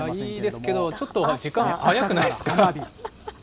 いいですけど、ちょっと時間早くないですか？